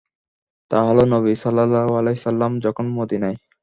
তা হল, নবী সাল্লাল্লাহু আলাইহি ওয়াসাল্লাম যখন মদীনায়।